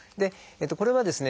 これはですね